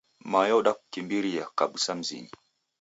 Mayo udakukimbiria kabusa mzinyi.